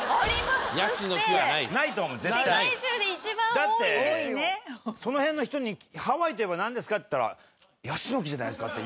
だってその辺の人に「ハワイといえばなんですか？」って言ったらヤシの木じゃないですかって言う？